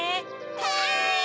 はい！